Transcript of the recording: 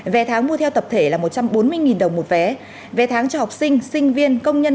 vé tháng mua theo tập thể là một trăm bốn mươi đồng một vé vé tháng cho học sinh sinh viên công nhân